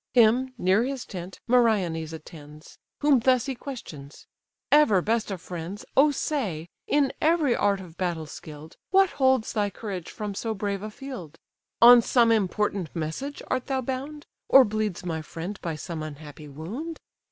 Him, near his tent, Meriones attends; Whom thus he questions: "Ever best of friends! O say, in every art of battle skill'd, What holds thy courage from so brave a field? On some important message art thou bound, Or bleeds my friend by some unhappy wound?